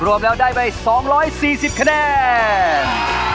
รวมแล้วได้ไป๒๔๐คะแนน